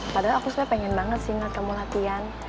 padahal aku sebenernya pengen banget sih ngat kamu latihan